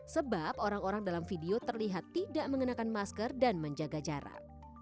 sebab orang orang dalam video terlihat tidak mengenakan masker dan menjaga jarak